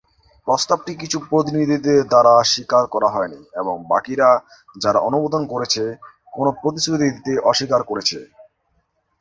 প্রস্তাবটি কিছু প্রতিনিধিদের দ্বারা স্বীকার করা হয়নি এবং বাকিরা, যারা অনুমোদন করেছে, কোন প্রতিশ্রুতি দিতে অস্বীকার করেছে।